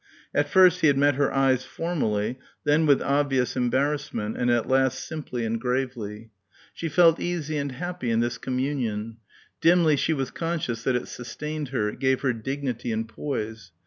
At first he had met her eyes formally, then with obvious embarrassment, and at last simply and gravely. She felt easy and happy in this communion. Dimly she was conscious that it sustained her, it gave her dignity and poise.